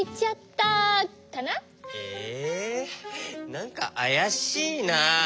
なんかあやしいな。